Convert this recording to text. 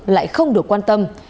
lại không được quan tâm